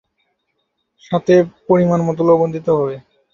সাথে পরিমাণ মত লবণ দিতে হবে।